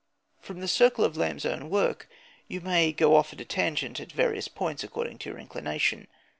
From the circle of Lamb's own work you may go off at a tangent at various points, according to your inclination.